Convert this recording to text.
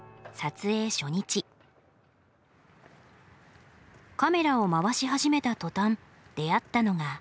カメラを回し始めた途端出会ったのが彼。